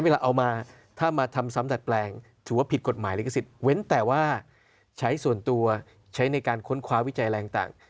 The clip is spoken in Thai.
เวลาเอามาถ้ามาทำซ้ำดัดแปลงถือว่าผิดกฎหมายลิขสิทธิ์เว้นแต่ว่าใช้ส่วนตัวใช้ในการค้นคว้าวิจัยอะไรต่าง